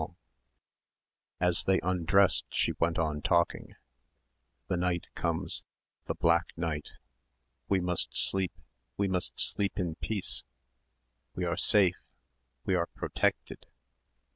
As they undressed, she went on talking "the night comes ... the black night ... we must sleep ... we must sleep in peace ... we are safe ... we are protected